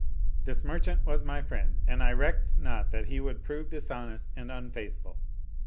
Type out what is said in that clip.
This merchant was my friend and I recked not that he would prove dishonest and unfaithful."